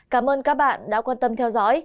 cảm ơn các bạn đã quan tâm theo dõi